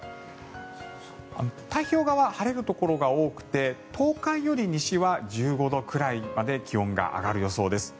太平洋側、晴れるところが多くて東海より西は１５度くらいまで気温が上がる予想です。